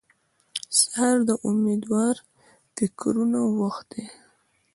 سهار د امېدوار فکرونو وخت دی.